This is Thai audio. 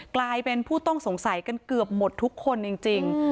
กลายเป็นผู้ต้องสงสัยกันเกือบหมดทุกคนจริง